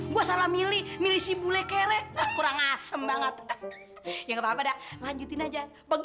jemberu senyum dong